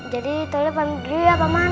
jadi tuli panggil dulu ya paman